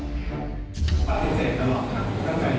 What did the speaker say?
โปรดติดตามตอนต่อไป